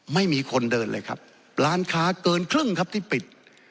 ไม่มีคนเดินเลยครับร้านค้าเกินครึ่งครับที่ปิด